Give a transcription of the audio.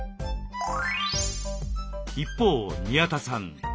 一方宮田さん